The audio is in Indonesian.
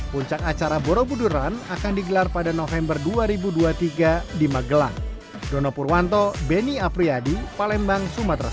puncak acara borobudur run akan digelar pada november dua ribu dua puluh tiga di magelang